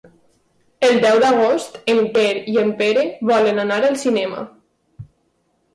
El deu d'agost en Quer i en Pere volen anar al cinema.